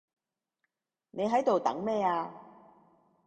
你喺度等咩呀